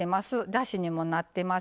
だしにもなってます。